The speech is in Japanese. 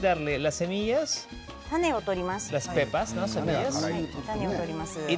種を取ります。